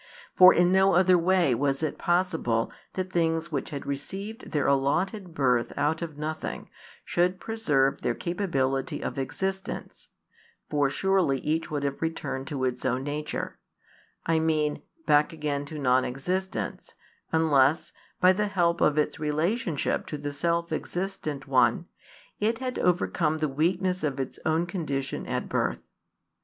For in no other way was it possible that things which had received their allotted birth out of nothing should preserve their capability of existence: for surely each would have returned to its own nature, I mean back again to non existence, unless, by the help of its relationship to the Self Existent One, it had overcome the weakness of its own condition at birth.